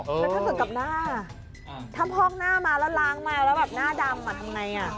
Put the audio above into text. แล้วถ้าเกิดกับหน้าถ้าพอกหน้ามาแล้วล้างมาแล้วแบบหน้าดำทำไง